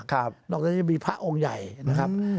นอกจากนี้ยังมีพระองค์ใหญ่นะครับ